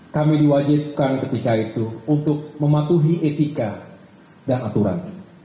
kami diwajibkan ketika itu untuk mematuhi etika dan aturan